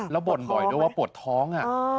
แล้วบ่นบ่อยด้วยว่าปวดท้อง